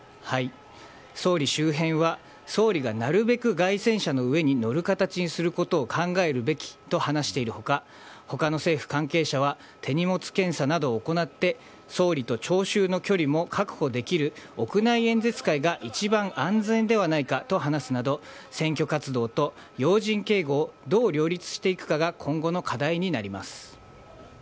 総理周辺は総理がなるべく街宣車の上に乗る形にすることを考えるべきと話している他他の政府関係者は手荷物検査などを行って総理と聴衆の距離も確保できる屋内演説会が一番安全ではないかと話すなど選挙活動と要人警護をどう両立していくかが今後の課題になります。